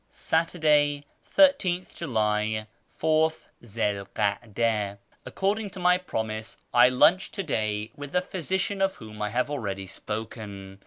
Saturday, 13th July, Ath Zi 'l kada. — According to my promise, I lunched to day with the physician of whom I have already sjDoken.